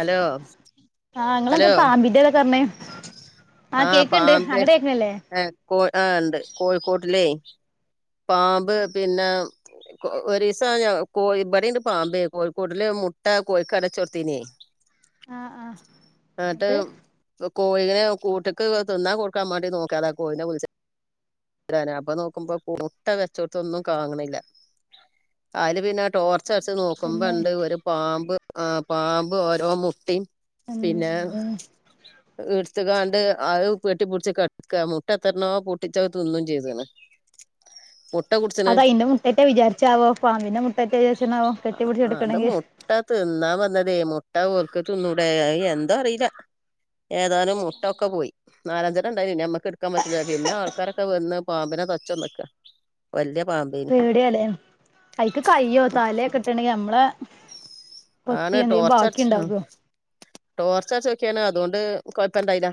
Hello ആഹ് ഇങ്ങളെന്താ പാമ്പിന്റെതൊക്കെറഞ്ഞെ ആഹ് ആ കേക്ക്ണ്ട് പാമ്പ് അങ്ങട് കേക്ക്ണ്ല്ലേ ഏ കോ ആ ണ്ട് കോഴിക്കൂട്ടിലേ പാമ്പ് പിന്നെ ഒരീസം ഞ കോ ഇബടീണ്ട് പാമ്പേ കോഴിക്കൂട്ടില് മുട്ട കോഴിക്കടചൊട്ത്തീനേ ആഹ് ആഹ് അത് ന്നട്ട് കോഴിനെ കൂട്ട്ക്ക് തിന്നാ കൊടുക്കാൻ മാണ്ടി നോകിയെതാ കോഴിനെ വിളിച്ച അപ്പം നോക്കുമ്പോ മുട്ട വെച്ചോട്ത്തൊന്നും കാങ്ങ്ണ്ല്ല്യ അയ്ല് പിന്നെ ടോർ ർച്ചട്ച്ച് പിന്നെ നോക്കുമ്പോണ്ട് ഒരു പാമ്പ് ആഹ് പാമ്പ് ഓരോ മുട്ടിം പിന്നെ ഇട് ത്തുകാണ്ട് അത് പെട്ടിപ്പുടിച്ച് കടക്ക മുട്ട എത്രണ്ണോ പൊട്ടിച്ചത് തിന്നും ചെയ്തണ്ണ്. മുട്ട കുടി അത് അയിന്റെ മുട്ടേറ്റെ വിചാരിച്ചാവോ പാമ്പിന്റെ മുട്ടേറ്റെ വിചാരിച്ചാവോ കെട്ടി പിടിച്ചു കെടക്കണെങ്കി. അത് തിന്നാ വന്നതേ മുട്ട ഓർക്ക് തിന്നൂടെ അത് എന്തോ അറില്ല. ഏതാനും മുട്ടൊക്കെ പോയി നാലാഞ്ചണ്ണം ഇണ്ടായിനീ പിന്നെ ഞമ്മക്ക് ഇട്ക്കാൻ പറ്റില്ല പിന്നെ ആൾക്കാരൊക്കെ വന്ന് പാമ്പ്നെ ത തച്ചൊന്നക്കാ വല്യ പാമ്പേ പേടിയാലേ അയിക്ക് കയ്യോ തലെക്കെ ഇട്ട്ണെങ്കി നമ്മളെ കൊത്തിയാ എന്തെങ്കി ബാക്കി ഇണ്ടാകോ ടോർച്ചടിച്ചൊക്യാണ് അതോണ്ട് കൊഴപ്പണ്ടായില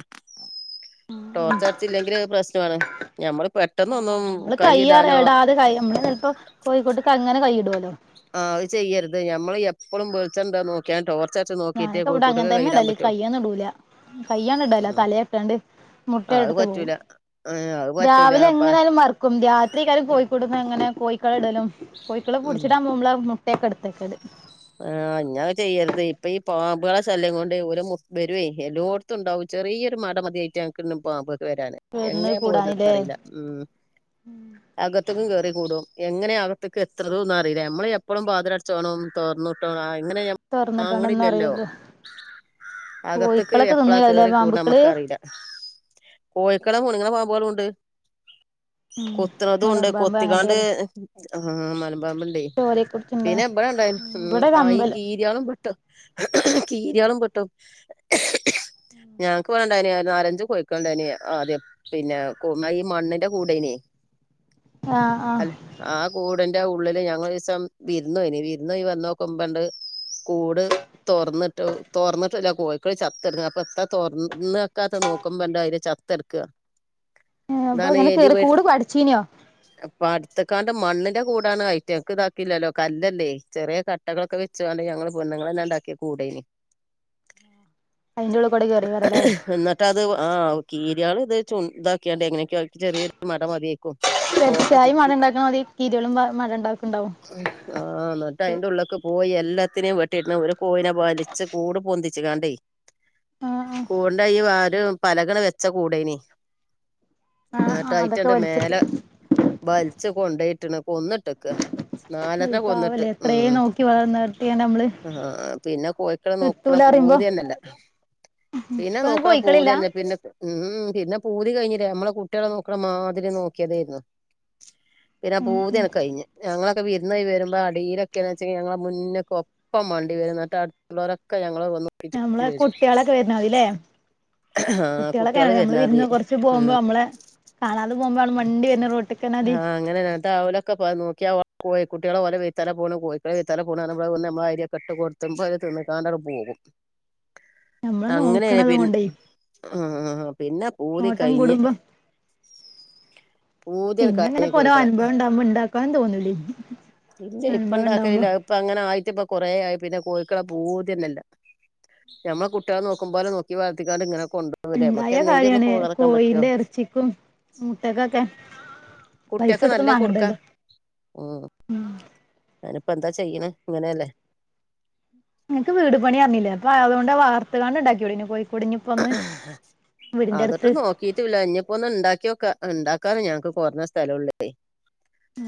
ടോർച്ചടിച്ചില്ലെങ്കില് പ്രശ്ണാണ് ഞമ്മള് പെട്ടെന്നൊന്നും കൈയിടാനോ അത് കയ്യും നമ്മള് ചെൽപ്പോ കോഴിക്കൂട്ട്ക്ക് അങ്ങനെ കൈയിടോ ലോ ആ അത് ചെയ്യരുത് ഞമ്മള് എപ്പളും വെളിച്ചണ്ടോ നോക്കി ഞാനൊക്കെ ഇവിടെ അങ്ങനെ തന്നെ ഇടല് പറ്റുള്ളൂ കയ്യാണ്ട് ഇടൂല കയ്യാണ് ഇടലാ ഉം തലയാണ്ട് ഇട്ടാണ്ട് മുട്ട അത് എടുത്ത് പോവും പറ്റൂല അത് പറ്റൂല രാവിലെ അപ്പ എങ്ങനെയാലും മറ ക്കും രാത്രിയ്ക്കാരം കോയിക്കൂട്ട്ന്ന് അങ്ങന കോഴക്കളെ ഇടലും കോയിക്കളെ ഉം പുടിച്ചിടാം പോകുമ്പോ ട്ടെക്കെട്ത്തക്കല് ആ ഇഞ്ഞ് അത് ചെയ്യരുത് ഇപ്പൊ ഈ പാമ്പേളെ ശല്യം കൊണ്ട് ഓല് മു വരേയ് എല്ലോട് ത്തുംണ്ടാവും ചെറിയൊരു മട മതി അയ്റ്റങ്ങക്ക് പാമ്പൊക്കെ വരാന് ഇന്ന് എങ്ങനെ പോര്ണത് കൂടാനില്ലേ അറീല ഉം അകത്ത്ക്കും കേറി കൂടും എങ്ങനെ അകത്ത്ക്ക് എത്ത്ണത് അറീല്ല നമ്മള് എപ്പളും വാതിലട് ച്ചോണും തൊറന്ന് ഇട്ടോണും ആ എങ്ങനെ തൊറന്നിട്ടോണ്ടൊന്നും കാങ്ങ്ണില്ലല്ലോ അറിയില്ലല്ലോ അകത്ത്ക്ക് കോഴിക്കളൊക്കെ എപ്പളാ തിന്നേക്കാരല്ലേ കേറി കൂടണ് പാമ്പുക്കള് നമ്മക്കറീല്ല കോഴിക്കളെ മുണ്ങ് ണെ പാമ്പോളുണ്ട് ഉം കൊത്ത്ണതുണ്ട് മലമ്പാമ്പ് കൊത്തിക്കാണ്ട് അങ്ങനത്തെക്കെ ആഹ് മലമ്പാമ്പുണ്ട് [unintelligible] കുറിച്ചണ്ട് ഇവിടെ ഒര് അമ്പലം കീര്യാളും വെട്ടും കീര്യാളും വെട്ടും ഞങ്ങക്ക് ഇവ ഉണ്ടായീനി നാലഞ്ച് കോഴിക്കള് ഉണ്ടായീനി ആദ്യം പിന്നെ ഈ മണ്ണിന്റെ കൂടേയ്നി ആഹ് ആഹ് അല്ല ആ കൂട്ന്റെ ഉള്ളില് ഞങ്ങളൊരീസം വിര്‌ന്നോയീനി വിര്ന്നോയി വന്ന വന്നോക്കുമ്പണ്ട് കൂട് തൊറന്നിട്ട് തൊറന്നിട്ടില്ല കോഴിക്കള് ചത്ത് കടക്ക്ണ്. അപ്പ എത്ത തുറന്നൊന്നൊക്കാത്ത നോക്കുമ്പണ്ട് അയില് ച തട്ക്ക. അപ്പൊ താണ് ഇങ്ങനെ എലി കേറി വര് കൂട് അടിച്ചീനോ പട്ത്ത്കാണ്ട് മണ്ണിന്റെ കൂടാണ് അയ്റ്റക്ക് ഇതാക്കില്ലല്ലോ കല്ലല്ലേ. ചെറിയ കട്ടകളൊക്കെ വെച്ച് കാണ്ട് ഞങ്ങള് പെണ്ണ്ങ്ങളന്നെ ഇണ്ടാക്കി കൂടേനി. അയ്ന്റൊള്ളൂക്കൂടേ കേറ്യയ്ക്കാരം ലേ. ട്ട അത് ആ കീര്യാളത് ഇത് ചു താക്കിയാണ്ട് എങ്ങനെക്കോ ചെറ്യാരു മടമത്യാ. പെരുച്ചായി മട ഇണ്ടാക്ണമാതിരി കീര്യളും മടണ്ടാക്ണ്ടാവും. ആഹ് ന ഇങ്ങട്ട് അയ്ന്റെ ഉള്ള്ക്ക് പോയീ എല്ലാത്തിനിം വെട്ടിട്ട്ണ്ണ് ഒരു കോയിനെ വലിച്ച് കൂട് പൊന്തിച്ച് കാണ്ടേ ആഹ് ആഹ് കൂണ്ട ഈ വാരൂ പലകണ്ട് വെച്ച കൂടേനി. ആ.. ആഹ് ങ്ങട്ട് ആഹ് അതൊക്കെ ഐറ്റംണ്ട് വലിച്ചിട്ട് മേലെ. ബൽച്ച് കൊണ്ടോയിട്ടിണ് കൊന്നിട്ടക്ക. അത് നാലണ്ണം കൊന്നിട്ട്. പാവല്ലേ മ് എത്രയും മ് നോക്കി വളർന്ന കുട്ടിയാണ് നമ്മള് അ ആ പിന്നെ കോയ്ക്കളെ നോക്ക്ണ കിട്ടൂല പറയുമ്പോ പൂത്യാന്നല്ല. പിന്നെ ഇപ്പൊ നോക്ണ കോഴിക്കളില്ല പൂത്യന്നെ പിന്നെ ഉം പിന്നെ പൂതി കഴിഞ്ഞിലേ നമ്മളെ കുട്ട്യാള നോക്ക്ണ മാതിരി നോക്യതാര്ന്നു. പിന്നെ ആ ഉം ഉം പൂത്യാന്നെ കയ്ഞ്ഞ് ഞങ്ങളൊക്കെ വിരുന്നോയ്‌വര്മ്പോ അടീലൊക്കെ [unintelligible] വെച്ചെങ്കി ഞങ്ങളെ മുന്ന്ക്ക് ഒപ്പം മണ്ടി വരും. ന്നട്ട് അടുത്തുള്ളരൊക്കെ ഞങ്ങളെ വന്ന്. നമ്മളെ ചോദിച്ചു കുട്ടിയളൊക്കെ വര്ണാതാരി ല്ലേ? ആ കുട്ട്യാളൊക്കെങ്ങ കുട്ടികള് നമ്മള് വരുന്നാതി വിര്ന്ന് കൊർച്ച് പോവുമ്പോ ഉം നമ്മളെ കാണാതെ പോവുംമ്പോ മണ്ടി വര്ന്ന് റോട്ട് ആഹ് അങ്ങനെന്നെ ഇങ്ങട്ടഅവ [unintelligible] നോക്യാ കോയി കുട്ട്യാള് ഓലെ വൈത്തല പോണ് [unintelligible] അമ്മളരിഒക്കെ ഇട്ട് കൊട [unintelligible] തിന്ന്ക്കാണ്ട് അഹ് പോകും. നമ്മള് അങ്ങനെ നോക്കണത് പിൻ കൊണ്ടേ ആ..., പിന്നെ പൂതി നോട്ടം കയ്ഞ്ഞ് കൂടുമ്പോ പൂതി പിന്നെ ഇങ്ങനൊക്കെ ഒരനുഭവം ഇണ്ടാകുമ്പോ ഇണ്ടാക്കാനും തോന്നൂലേ. [unintelligible] ഇപ്പ അനുഭവം ഉണ്ടാവുമ്പോ ഇണ്ടാക്കലില്ല. അതിപ്പ അങ്ങനെ ആയിട്ട് ഇപ്പ കൊറേ ആയി. പിന്നെ കോയിക്കളെക പൂതിന്നല്ല ഞമ്മളെ കുട്ട്യാളെ നോക്കുമ്പോലെ നോക്കി വളർത്തിക്കാണ്ട് ഇങ്ങനെക്കെണ്ടോ ഇണ്ടായ കാര്യാണ് കോയിന്റെ എർച്ചിക്കും മുട്ടക്കൊക്കെ പൈസ കുട്ടികൾക്ക് ഒടുത്ത് നല്ല കൊടുക്കാ മാങ്ങണ്ടല്ലോ. ഉം അയ്നിപ്പന്താ ചെയ്യ്ണെ ഇങ്ങനെല്ലേ. നിനക്ക് വീട് പണി അറിഞ്ഞില്ലേ. അപ്പ അതുകൊ വാർത്ത് ക്കാണ്ട്ണ്ടാക്കിക്കൂടേന്യോ കോയി. കുടുങ്ങിപ്പോ ഒന്ന്. വീടിന്റെ അടുത്ത്. ഇതുല്ല. ഇഞ്ഞ്പ്പോ ഒന്ന് ഉണ്ടാക്കിഓക്കാ. ഉണ്ടാക്കാനും ഞങ്ങക്ക് കൊറഞ്ഞ സ്ഥല ഒള്ളേ ഇപ്പെയ്.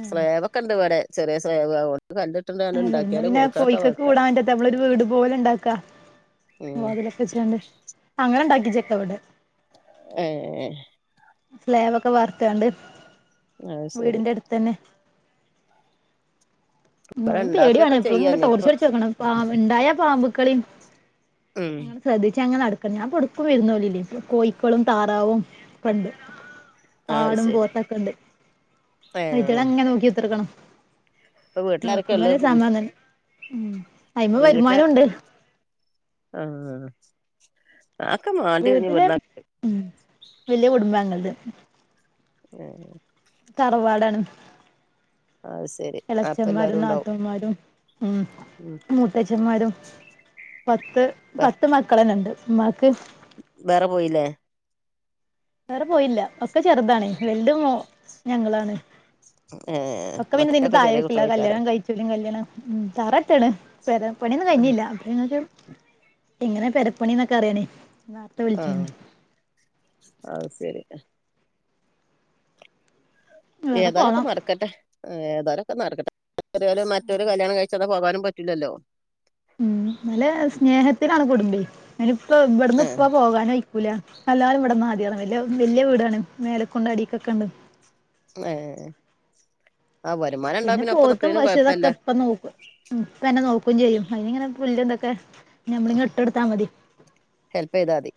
സ്ളേവൊക്കെ ഇണ്ട് ഇവടെ ചെറ്യാ സ്ളേവ് അതോണ്ട് കല്ല അല്ലേ പിന്നെ കോഴിക്കക്കക്ക് കൂടാൻ പറ്റത്ത നമ്മളൊരു വീട് പോലെ ഇണ്ടാക്കാ. ഉം വാതിലൊക്കെ വെച്ച്കാണ്ട് അങ്ങനെ ണ്ടാക്കിച്ചക്കവിടെ. ഏ ഏഹെ. സ്ലേവൊക്കെ വാർത്താണ്ട് അത് ശരി വീടിന്റെ അട്ത്തന്നെ. ഇവിടെ ഇന്നാലും പേട്യാണ് ഉണ്ടാക്കൊക്കെ ചെയ്യാ എപ്പയുംങ്ങനെ ഇനിപ്പോ ടോർച്ചട്ച്ച് നോക്കണം പാമ്പ ഇണ്ടായാ പാമ്പ്ക്കളിം മ്. ശ്രദ്ധിച്ച അങ്ങനെ നടക്കണം. ഞാപ്പൊടുക്കും വിര്‌ന്നോലില്ലേ. ഇപ്പൊ കോഴിക്കളും താറാവും ക്ക ഉണ്ട്. അത് ആടും ശരി പോത്തൊക്കെണ്ട് ഏ അയ്റ്റങ്ങളങ്ങനെ നോക്കിത്തർക്കണം. ഇപ്പൊ വീട്ടിലാരൊക്കെ നോക്കുബൊരു ഉള്ളത് സമാധാനം ഉം അയ്മേ വരുമാനുംണ്ട്. വീട്ടിലാരൊക്കെ ആഹ്. ആക്കമാ വീട്ടിലെ മ് വല്യ കുടുംബങ്ങൾത്. [unintelligible] തറവാടാണ്. അത് ശരി അപ്പ എളച്ചന്മാരും എല്ലാരും ഉണ്ടാവും നാത്തൂന്മാരും ഉം ഉം മൂ മൂത്തേച്ചന്മാരും പത്ത് വേ പത്ത് മക്കളന്നെ ഉണ്ട് ഉമ്മാക്ക് വേറെ പോയില്ലേ വേറെ പോയില്ല, ഒക്കെ ചെറുതാണ്. വെല്ത് മോ ഞങ്ങളാണ്. ഏ എ ഒക്കെ പിന്നെതിന്റെ താഴെക്ക്ല്ലതാ കല്യാണം കഴിച്ചരും കല്യാണം ഉം തറട്ട്ണ് പെരപ്പണി ഒന്നും കഴിഞ്ഞില്ല ഞ്ഞിനിങ്ങക്ക് എങ്ങനെ പെരപ്പണി എന്നൊക്കെ അറിയണേ നേർത്തെ വിളിച്ചാണ് ആഹ അഹ്സെരി. വേറെ ഏതാലൊക്കെ പോണം നടക്കട്ടെ ഏതാലൊക്കെ നടക്കട്ടെ മറ്റൊരു കല്യാണം കഴിച്ചതോ പോകാനും പറ്റില്ലല്ലോ ഉം നല്ല സ്നേഹത്തിലാണ് കുടുംബി ഞാന ഇപ്പ ഇവിടുന്ന് ഏഹ് ഇപ്പ പോകാനയ് ക്കൂലാ എല്ലാരും ഇവിടന്നാതി വ വല്യ വീടാണ് മേലെക്കൊണ്ട് അടിക്കൊക്കെ ഉണ്ട് ങേയ് പിന്നെ പോത്തും പശുതൊക്കെ ഇപ്പ നോക്കും. ഇപ്പന്നെ നോക്കുംചെയ്യും അതിനിങ്ങനെ പുല്ല് തൊക്കെ നമ്മളിങ്ങനെ ഇട്ട് കൊടുത്താൽ മതി. ഹെൽപ്യ്താൽ തി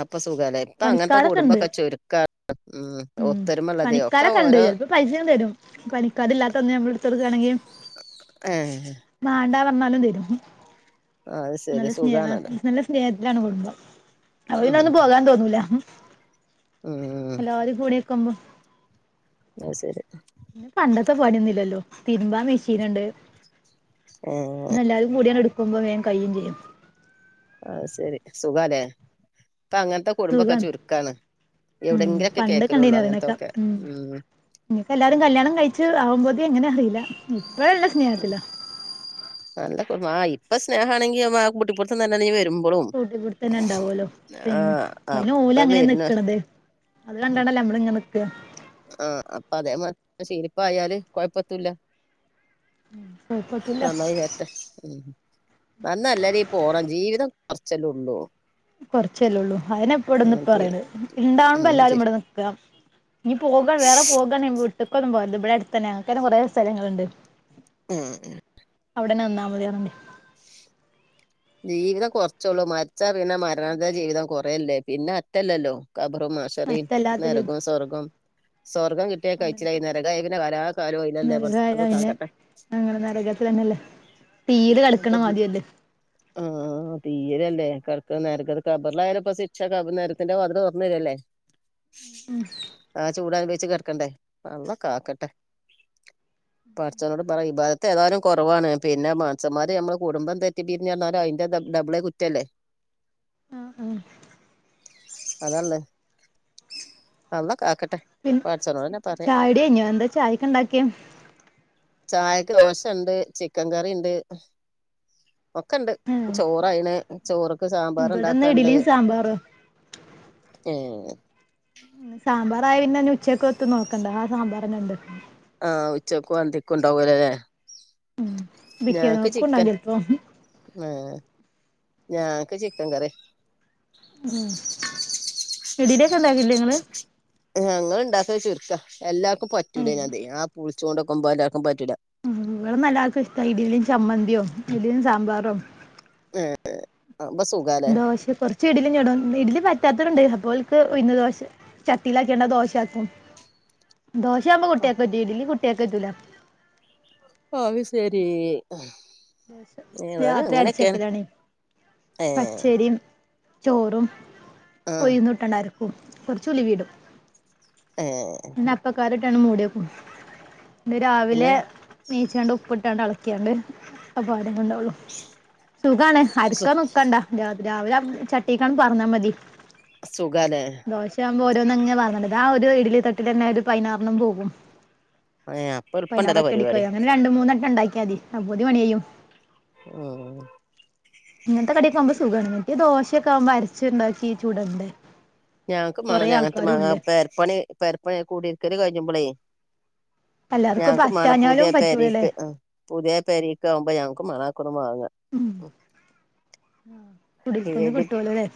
അപ്പൊ സുഖല്ലേ ഇപ്പ അങ്ങനത്തെ പണിക്കാരൊക്കെ ഉണ്ട് കുടുംമ്പൊക്കെ ചുരുക്കാണ് ഉം ഒത്തരുമള്ളതെയ ഒക്കെ ഓരോ പണിക്കാരില്ലാത്തന്ന് ഞമ്മൾ എടുത്തൊടുക്കാണെങ്കിൽ ഏയ് മാണ്ട പറഞ്ഞാലും തരും, അത് ശരി നല്ല സ്നേഹ സുഖാണല്ലോ നല്ല സ് സ്‌നേഹത്തിലാണ് കുടുംബം അപ്പോ പിന്നെ ഉം ഒന്നും പോകാൻ തോന്നൂല. ഹ് മ് എല്ലാരും [unintelligible] അയ്സെരി ഇന്ന്പ്പ പണ്ടത്തെ പണിയൊന്നില്ലല്ലോ തിരുമ്പാൻ മിഷീൻ ചെയ്യണ്ട് ഏഹ് പിന്നെ, എല്ലാരും കൂടിയാണ്ട് എടുക്കുമ്മ്പോം വേഗം കയ്യിംചെയ്യും. അഹ് സെരി സുഖാലേ, ഇപ്പോ അങ്ങൻത്തെ കു കുടുംബൊക്കെ സുഖാണ് ചുരുക്കാണ് ഉം എവിടെയെങ്കിലും ഒക്കെ പണ്ടൊക്കെ കേൾക്കലുള്ളൂ അങ്ങനത്തൊക്കെ ഉം ഇഞ്ഞിപ്പോ എല്ലാരും കല്യാണം കഴിച്ച് ആവുമ്പോതിന്എങ്ങനെ അറിയിലാ ഇപ്പഴല്ല സ്നേഹത്തിലാ. നല്ല ആ ഇപ്പൊ സ്നേഹമാണെങ്കി ആ കുട്ടി പുറത്തുന്നെ വര്ണ കൂട്ടി പുടിത്തന്നെ ഇണ്ടാവല്ലോ ആ പിന്നെ അയ്ന് അപ്പ ഓലങ്ങനെയാ വരുന്ന നിക്കണത്. അത് കണ്ടാണ്ടല്ലേ നമ്മളിങ്ങന നിക്ക ആഹ അപ്പൊ അതേമാതിരി ശീലിപ്പായാല് കൊഴപ്പത്തൂല്ല. കുഴപ്പട്ടൂല്ല നന്നായി വരട്ടെ ഉം നന്നല്ലതീപോണം ജീവിതം കൊറച്ചല്ലേ ഉള്ളൂ കുറച്ചല്ലള്ളൂ അതനെ. ഇപ്പ ഇവിടന്ന് ഉം ഇപ്പ പി പറയണ ഇണ്ടാവുമ്പോ ഉം എല്ലാരും ശരി. ഇവിടെ നിക്കാ ഇനി പോക വേറെ പോകണെ വീട്ട്ക്കൊന്നും പോവര്‌ത് ഇവിടെ അടുത്തന്നെ ഞങ്ങക്കന്നെ കുറെ സ്ഥലങ്ങളുണ്ട്. ഉം അവിടെന്നെ മതി പറഞ്ഞ് ജീവിതം കുറച്ചുള്ളൂ മരിച്ചാ പിന്നെ മരണ ജീവിതം കുറേല്ലേ പിന്നെ അറ്റല്ലല്ലോ കഖബറും മഹ്ഷ ത്രയും അടുത്തല്ലാത്ത ജി നരകും സ്വർഗം സ്വർഗം കിട്ടിയാ അങ്ങനൊക്കെ കയിച്ചിലായി നേരകാ യി പിന്നെ കാലാ കാലോ ആയിലല്ലേ പടച്ച നരകായ റബ്ബ് പിന്നെ കാക്കട്ടെ അങ്ങനെ നരകത്തില ന്നെല്ലേ തീയില് കളിക്ക്ണ മാതിരി അല്ലേ ആഹ തീരല്ലേ കിടക്ക് നരകത്തിലായാൽ കബറിലായാലപ്പോ ശിക്ഷ നരഗത്തിന്റെ വാതില് തുറന്നരല്ലേ ആഹ് ചൂടനുബവിച്ച് കെടക്കണ്ടേ അള്ളാ കാക്കട്ടെ പഠച്ചനോട് പറയാ ഇബാദത്ത് ഏതായാലും കുറവാണ്. പിന്നെ മൻസന്മാര് ഞമ്മളെ കുടുംബം തെറ്റിപിരി പിന്നേർഞ്ഞാൽ അയിന്റെ ഡബിളെ കുറ്റല്ലേ ആഹ്ആഹ അതന്നെ അള്ളാ കാക്കട്ടെ പിന്നെ പടച്ചോനോടന്നെ പറയാ ചായുടി കഴിഞ്ഞോ? എന്താ ചായക്ക് ഇണ്ടാക്കെയ്? ചായക്ക് ദോശണ്ട് ചിക്കൻ കറി ഇണ്ട്. ഒക്കെ ഇണ്ട് ചോറ് ആയിന് ചോർക്ക് സാമ്പാർ ഇവിടെന്ന് ഇണ്ടാക്കാണ്ട് ഇഡലിയും സാമ്പാറും ഏഹ് സാമ്പാറായ പിന്നെ ഇഞ്ഞ് ഉച്ചെക്കും എത്തും നോക്കണ്ട ആ സാമ്പാറെന്നെ ഇണ്ട് ആഹ് ഉച്ചക്കും അന്തിക്കുംഇണ്ടാവോല്ലലെ. ഞങ്ങെക്ക് പിറ്റേന്നക്കും ഇണ്ടാവും ചിക്കെൻ ചെലപ്പോ ഏഹ് ഞങ്ങെക്ക് ചിക്കെൻ കറിയാ ഉം ഇഡ്ഢ്ലിഓക്കെ ഇണ്ടാകേല്ലേ ഇങ്ങള്? ഞങ്ങെൾ ഇണ്ടാക്കെൽ ചുര്ക്കാ എല്ലാർക്കും പറ്റുല്ലെയ്‌ന് അതെയ് ആഹ് പുളിച്ചോണ്ട് ഇക്കുമ്പോ എല്ലാർക്കും പറ്റുലാ ഇവടെന്നാ എല്ലാർക്കും ഇഷ്ട ഇഡി ലിം ചമ്മന്ത്യോ ഇഡിലും സാമ്പാറോ. ഏഹ് ഏഹ് അപ്പ സു ദോശ കൊർ ച്ച് ഇഡ്ഡ്ലിം ചൂടും ഇഡ്ഡ്ലി പറ്റാത്തോൽ ഇണ്ടെയ് അപ്പ ഓർക്ക് ഉഴ്ന്ന് ദോശ ചട്ടിലാക്കിയാണ്ട് ദോശയാക്കും [inaudible] ദോശയാവുമ്പം കുട്ട്യായാക്ക് പറ്റും ഇഡ്ഡ്ലി കുട്ട്യാക്ക് പറ്റുലാ അത് ശെരി രാത്രി അരച്ചെക്കലാണേയ് ഏഹ് പച്ചേരിം ചോറും ആഹ് ഉഴ്ന്നും ഇട്ട് ആണ്ട് അര്ക്കും കൊർച്ച് ഉലുവിം ഇടും ഏഹ് ഞാൻ അപ്പക്കാരം ഇട്ടാട്ട് മൂട്യക്കും പിന്നെ ന്ന്ട്‌രാവിലെ നീച്ചാണ്ട് ഇപ്പ്ട്ടാണ്ട് എൾക്യാണ്ട് ആ പാടെന്നെ ഇണ്ടാവൊള്ളു സുഖാണ് സു അരക്കാൻ നിക്കെണ്ട രാ രാവിലെ ആവുമ്പം ചട്ടിക്ക് ആണ്ട് പാർന്നാ മതി സുഖാലെ ദോശ ആവുമ്പം ഓരോന്ന് അങ്ങനെ പാർന്നൊട്ക്കാ ആ ഒര് ഇഡ്ഡ്ലി തട്ടില്ലെന്നെ ഒര് പൈനാറെണ്ണം പോകും ഏഹ് അപ്പൊ പൈയിനാർ എളുപ്പണ്ടല്ലോ ഒറ്റയടിക്ക് പരിപാടി കയ്യും അങ്ങനെ രണ്ട് മൂന്ന് വട്ടം ഇണ്ടാക്കിയാതി അപ്പോത്തിന് പണി കയ്യും ആഹ് ആഹ് ഇങ്ങെൻത്തെ കടിയൊക്കെ ആകുമ്പോ സുഖാണ് മറ്റെയ് ദോശയൊക്കെ ആകുമ്പോ അര്ച്ച് ഇണ്ടാക്കി ചുടണ്ടെ ഞങ്ങക്കും മാണം ഇഞ്ഞ് അങ്ങെൻത്തെ മാങ്ങാ പേരപ്പണി പേരപ്പണി കൂടിര്ക്കെൽ കഴിഞ്ഞപ്പളെയ് എല്ലാർക്കും ഞങ്ങക്ക് മാണം പറ്റാഞ്ഞാലും പറ്റൂലല്ലേ പുത്യാപെരേക്ക് ആ പുത്യാപെരേക്ക് ആവുമ്പോ ഞങ്ങക്കും മാണം അഒക്കൊന്ന് മാങ്ങാ. ഉം കുടിൽക്കന്ന് [unintelligible] കിട്ടുവല്ലോ അല്ലേ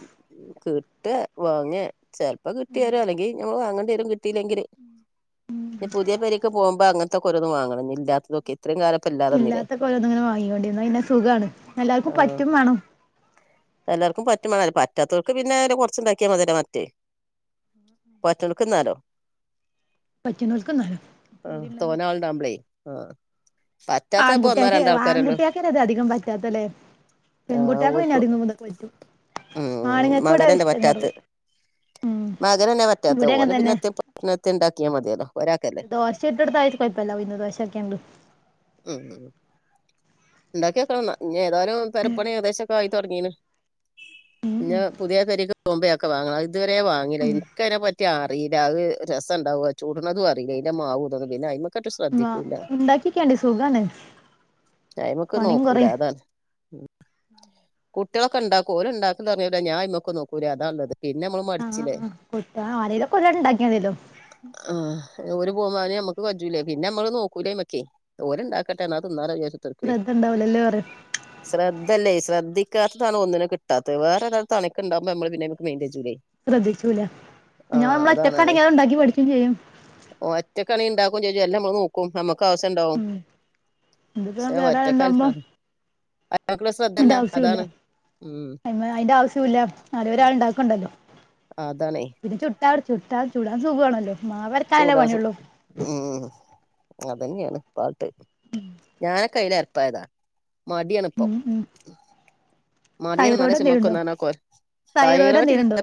കിട്ടെ വാങ്ങെ ചെൽപ്പം കിട്ടി വെരും അല്ലെങ്കി ഞമ്മെൾ വാങ്ങണ്ടെരും കിട്ടിയില്ലെങ്കി [unintelligible] ഇഞ് പുതെ പേരിക്ക് പോവുമ്പോ അങ്ങെൻത്തൊക്കെ ഓരോന്ന് വാങ്ങെണം ഇഞ്ഞ് ഇല്ലാത്തെത് നോക്കി ഇത്രിം കാലം ഇപ്പം ഇല്ലാ ഇല്ലാത്തൊക്കെ ഓരോന്ന്ങ്ങനെ വാങ്ങികാണ്ടി എന്ന പിന്നെ സുഖാണ് എല്ലാർക്കും ആഹ് പറ്റും മാണം. എല്ലാർക്കും പറ്റും മാണം അല്ല പറ്റാത്തോൽക്ക് പിന്നെ ഒര് കൊർച്ച് ഇണ്ടാക്കി [unintelligible] മറ്റേ പറ്റ്ന്നോൽക്ന്നാലോ. പറ്റുന്നോൽക്ക് തിന്നാലോ ആഹ് പൂതിണ്ടെങ്കി തോന ആള്ണ്ടാബ്ലേ ആഹ് പറ്റാത്തെയ് ഇപ്പോ ഒന്നോ ആൺകുട്ടിയാക്ക് രണ്ടോ ആൾക്കാര് ഒള്ളു ആൺകുട്ടിയാക്കന്നെ ഇത് അധികം പറ്റാത്തല്ലേ ആ പെൺകുട്ടിയാക്ക് പിന്നെ ഓൽക് അധികം ഇതൊക്കെ പറ്റും ഉം ആണുങ്ങൾക്ക് ഇവിടെ മകനല്ല മ ഇഷ്ടം റ്റാത്തെ കുറവ് ഉം മകനെന്നെ പറ്റാത്തെ ഇവിടെ അങ്ങനെ ഓന് പിന്നെ തന്നെ എത്തെം പറ്റണ എത്തെം ഉണ്ടാക്കിയാ മതിയെല്ലോ ദോശ ഇട്ടെട്ത്താൽ കൊയ്ഴപ്പല്ല ഉ യുന്ന് ദോശാക്യാണ്ട്. ഉം ഉം. ഇണ്ടാക്കിയൊക്കെണം ഇന്നാ ഇഞ്ഞ് ഏതാലും പെരപ്പണി ഏകദേശൊക്കെ ആയി തൊടങ്ങീണ് ഇഞ്ഞ് പുതെ പെരിക്ക് പോവ്മ്പയൊക്കെ വാങ്ങണം ഇത് വെരെ വാങ്ങിലാ ഉം ഇൻക്ക് അയിനെ പറ്റി റ്റി അറീലാ അഹ് രസണ്ടാവോ ചുട്ണെതും അറീലെയ് അയിന്റെ മാവും ഇതൊന്നും പിന്നെ അയിമ്മെക്ക് ഉം ആഹ് ഇണ്ടാക്കിയൊക്കെണ്ടി സുഖാണ് അയിമ്മെക്ക് നോക്കൂലാ അതാണ് ഉം കുട്ടിയാളൊക്കെ ഇണ്ടാക്കും ഓൽ ഇണ്ടാക്ക്ണ്ടോ പർണെയ്ക്കോട്ടെ ഞാ അയിമ്മെക്ക് ഒന്നും നോക്കുലെയ് അതാ ഇള്ളെത് പിന്നെ അമ്മെൾ മൺ ആഹ് [unintelligible] കൂട്ട്യാൾ ആരേലുംക്കെ ഉണ്ടാക്കി മദ്യല്ലോ ആഹ് ഓര് പോകുമ്പയ്ൻ നമ്മക്ക് കജൂലേ പിന്നെ നമ്മള് നോക്കൂല്യ്മക്കേ ഓല് ഉണ്ടാക്കട്ടെ ന്നാ തിന്നാലോ ന്ന് വിചാരിച്ചു ശ്രദ്ധ ഉണ്ടാവുലല്ലോറ ശ്രദ്ധല്ലേ ശ്രദ്ധി ഇതാണ് ഒന്നിന കിട്ടാത്തെ, വേറെരാള് തോണക്ണ്ടകമ്പോ നമ്മൾ പിന്നെ അതിമക്ക് മൈന്റ് ചെയ്യൂലേ ശ്രദ്ധിച്ചൂല ആ ഇന്നാ നമ്മൾ ഒറ്റക്കാണെങ്കിൽ അതണ്ടാക്കി പഠിക്കും ചെയ്യും. ഓറ്റക്കണിങ്കി ഇണ്ടാക്കും ചെയ്യും എല്ലം നമ്മള് നോക്കും നമുക്ക് ആവശ്യം ഉണ്ടാവും ഉം ഇതിപ്പോ ശെ വേറെ ഒറ്റക്ക്‌ ആളുണ്ടാവുമ്പോ അക്കലസ് [unintelligible] ശ്രദ്ധ ഇല്ല ഇല്ല അയിമ്മേ അതിന്റെ ആവശ്യം ഇല്ല ന്നാ ഒരാൾ ഉണ്ടാക്കണ്ടല്ലോ അതാണെയ് പിന്നെ ചുട്ടാട് ചുട്ടാൽ ചുടാൻ സുഖമാണല്ലോ മാവ് ചൂടാനസു ഉം അതന്നെണ്. പാട്ട് ഞാനെക്കയില് എരപ്പായതാ മടിയണിപ്പ ഉം ഉം മഠിയൻ മല തൈറോയ്ഡ് എന്തേലും ഉണ്ടോ ചുമക്കുന്നറിഞ്ഞ തൈറോ തൈറോയ്ഡ് എന്തേലും ഉണ്ടോ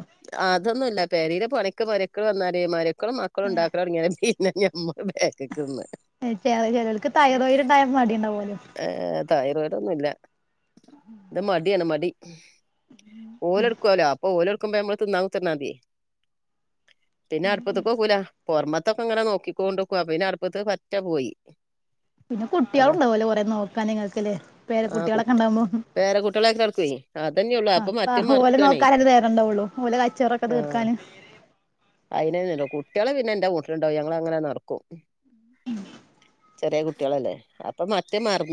അതൊന്നുല്ല പേരീലെ പണിക്ക് മരക്കൾ വന്നാലേ മരക്കളും മക്കളും ഉണ്ടാക്കലോഡാങ്യാലേ പിന്ന ഞമ്മള് ബേക്ക്ക്ക്ന്ന് ചെലോൽക്ക് തൈറോയിഡ് ഇണ്ടായ മടി ഉണ്ടാവോലോ. ഏർ തൈറോയിഡ് ഒന്നുംല്ല ഇത് മടിയാണ് മടി. ഓലെടുക്കല്ലോ അപ്പൊ ഓലെടുക്കുമ്പ മ്മള് തിന്നാൻ ചെന്നാതി പിന്നെ അടുപ്പത്ത്ക്ക് നോക്കൂല, പൊറമത്തെ ഒക്കെ ഇങ്ങനെ നോക്കിക്കൊണ്ടിർക്കും അപ്പൊ പിന്നെ അടുപ്പത്ത് പറ്റേ പോയി [inaudible] പിന്നെ അതാ കുട്ടികളുണ്ടാവോലോ കൊറേ നോക്കാൻ നിങ്ങൾക്ക്ല്ലേ പേരെ ആഹ് കു കുട്ടികളൊക്കെ ഉണ്ടാവുമ്പോ പേര കുട്ടികളൊക്കെ നടക്കുവേ അതന്നെ ഉള്ളൂ അപ്പൊ മറ്റേ ആപ്പ ഓല മറക്കണേ നോക്കാനല്ലേ നേരണ്ടവുള്ളു ഓല കച്ചറൊക്കെ തീർക്കാന്. അയിന്നല്ലോ കുട്ടികളെ പിന്നെ എന്റെ കൂട്ടിലുണ്ടാവും ഞങ്ങളങ്ങനെ നടക്കും ചെറിയ കുട്ടികളല്ലേ അപ്പൊ മറ്റേ മറന്നു.